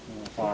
ya yang pintar